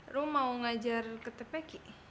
rum mau ngajar ke tepeki